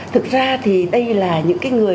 thực ra thì đây là những người